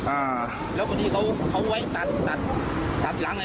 อ่าแล้วคนที่เขาเขาไว้ตัดตัดตัดหลังไอ